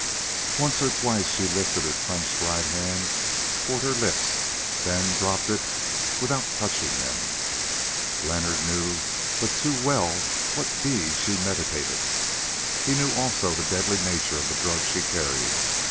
Once or twice she lifted her clenched right hand towards her lips, then dropped it without touching them. Leonard knew but too well what deed she meditated. He knew also the deadly nature of the drug she carried.